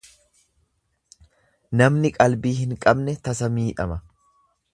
Namni qalbii hin qabne tasa miidhama.